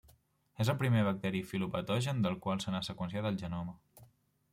És el primer bacteri fitopatogen del qual se n'ha seqüenciat el genoma.